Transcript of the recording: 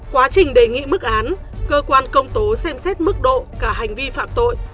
quá trình đề nghị mức án cơ quan công tố xem xét mức độ cả hành vi phạm tội